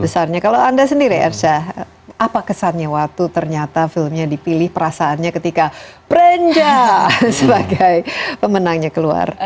besarnya kalau anda sendiri ersha apa kesannya waktu ternyata filmnya dipilih perasaannya ketika prenja sebagai pemenangnya keluar